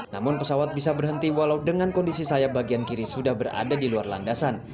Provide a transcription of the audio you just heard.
namun pesawat bisa berhenti walau dengan kondisi sayap bagian kiri sudah berada di luar landasan